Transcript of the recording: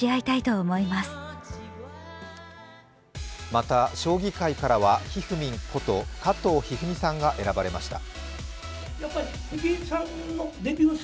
また将棋界からは、ひふみんこと加藤一二三さんが選ばれました。